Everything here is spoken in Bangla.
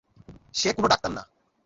সে কোনো ডাক্তার না।